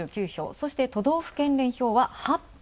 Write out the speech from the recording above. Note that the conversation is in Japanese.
そして、都道府県連票は８票。